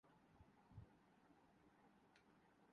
دنیا